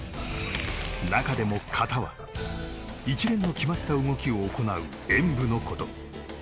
中でも形は一連の決まった動きを行う演武のこと。